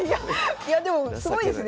いやでもすごいですね。